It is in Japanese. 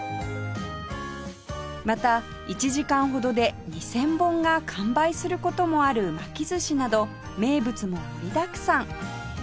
また１時間ほどで２０００本が完売する事もある巻き寿司など名物も盛りだくさん！